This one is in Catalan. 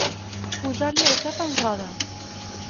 Posar-li el cap en roda.